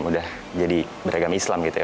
udah jadi beragam islam gitu ya